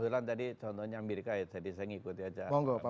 sebenarnya tadi contohnya amirika tadi saya ngikutin aja